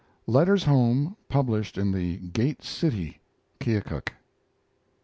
Letters home, published in The Gate City (Keokuk). 1862.